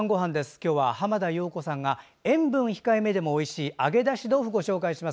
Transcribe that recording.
今日は浜田陽子さんが塩分控えめでもおいしい揚げ出し豆腐をご紹介します。